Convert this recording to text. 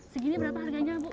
segini berapa harganya bu